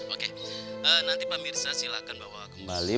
oke nanti pak mirza silahkan bawa kembali